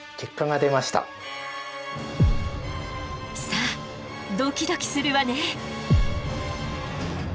さあドキドキするわね！